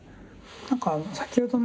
何か先ほどね